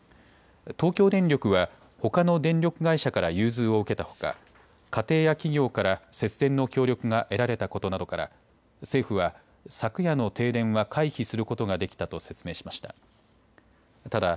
東京電力はほかの電力会社から融通を受けたほか家庭や企業から節電の協力が得られたことなどから政府は昨夜の停電は回避することができたと説明しました。